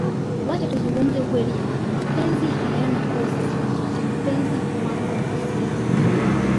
Wacha tuzungumze ukweli jamani mapenzi hayana kosa siku zote mapenzi huanza mahusiano